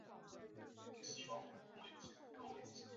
台湾在日治时代即引进试种栽培。